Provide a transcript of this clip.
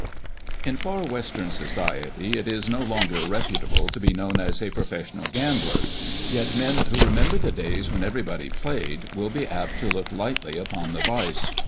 , IN Far Western " society " it is no longer reputable to be known as a professional gam bler, yet men who remember the days when everybody played will be apt to look lightly upon the vice.